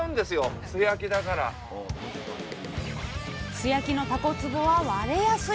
素焼きのたこつぼは割れやすい！